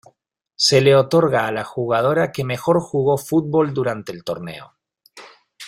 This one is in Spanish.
Se le otorga a la jugadora que mejor jugo fútbol durante el torneo.